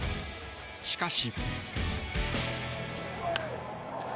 しかし。